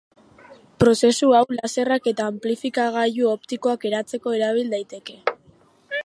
Prozesu hau laserrak eta anplifikagailu optikoak eratzeko erabil daiteke.